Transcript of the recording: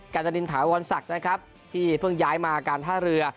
การจรินถาวรศักดิ์นะครับที่เพิ่งย้ายมาการท่าเรือ